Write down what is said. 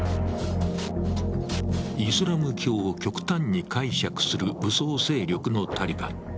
イスラム教を極端に解釈する武装勢力のタリバン。